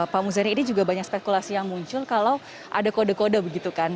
pak muzani ini juga banyak spekulasi yang muncul kalau ada kode kode begitu kan